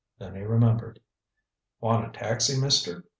Then he remembered. "Want a taxi, mister?"